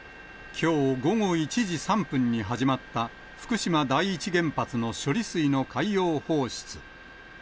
きょう午後１時３分に始まった、福島第一原発の処理水の海洋放出。